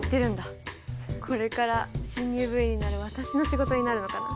これから新入部員になる私の仕事になるのかな。